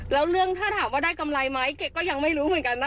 แล้วเรื่องถ้าถามว่าได้กำไรไหมเก๊ก็ยังไม่รู้เหมือนกันนะ